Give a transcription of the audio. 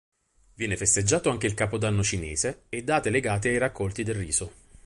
Viene festeggiato anche il capodanno cinese e date legate ai raccolti del riso.